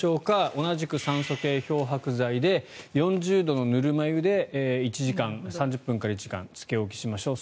同じく酸素系漂白剤で４０度のぬるま湯で３０分から１時間つけ置きしましょう。